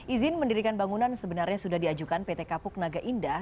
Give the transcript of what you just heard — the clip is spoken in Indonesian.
izin mendirikan bangunan sebenarnya sudah diajukan pt kapuk naga indah